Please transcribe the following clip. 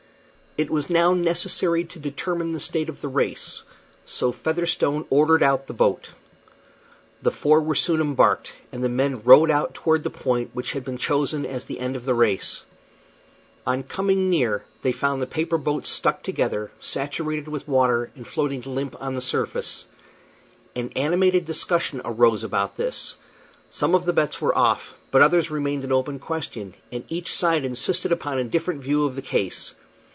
It was now necessary to determine the state of the race, so Featherstone ordered out the boat. The four were soon embarked, and the men rowed out toward the point which had been chosen as the end of the race. On coming near they found the paper boats stuck together, saturated with water, and floating limp on the surface. An animated discussion arose about this. Some of the bets were off, but others remained an open question, and each side insisted upon a different view of the case.